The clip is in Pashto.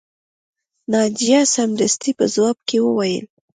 ناجیه سمدستي په ځواب کې وویل